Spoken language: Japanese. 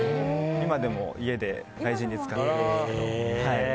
今でも家で大事に使ってます。